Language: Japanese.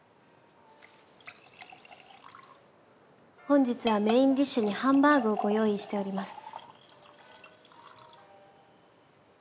本日はメインディッシュにハンバーグをご用意しております。